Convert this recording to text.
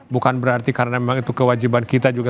bukan berarti karena memang itu kewajiban kita juga